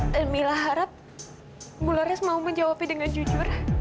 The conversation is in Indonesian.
dan mila harap bularas mau menjawab dengan jujur